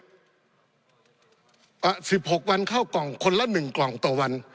๑๖วันเข้ากล่องคนละ๑กล่องต่อวัน